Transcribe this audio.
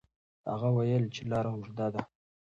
هغه وویل چې لار اوږده ده.